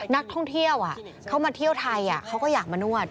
นักท่องเที่ยวเขามาเที่ยวไทยเขาก็อยากมานวด